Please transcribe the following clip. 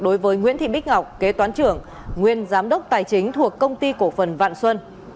đối với nguyễn thị bích ngọc kế toán trưởng nguyên giám đốc tài chính thuộc công ty cổ phần vạn xuân